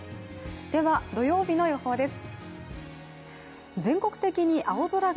では、土曜日の予報です。